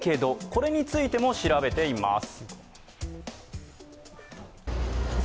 これについても調べています。